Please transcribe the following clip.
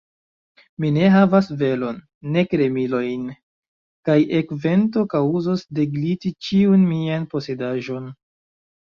Mi ne havas velon, nek remilojn; kaj ekvento kaŭzos degliti ĉiun mian posedaĵon.